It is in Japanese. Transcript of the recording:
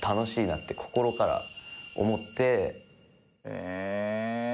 へえ。